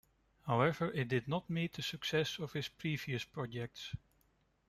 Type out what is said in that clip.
However, it did not meet the success of his previous projects.